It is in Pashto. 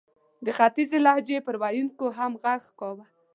د ختیځې لهجې پر ویونکو هم ږغ کاوه.